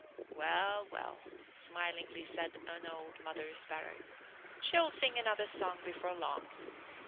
"Well, well," smilingly said an old mother sparrow, "she'll sing another song before long.